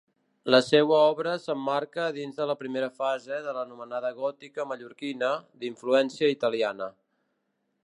La seua obra s'emmarca dins de la primera fase de l'anomenada gòtica mallorquina, d'influència italiana.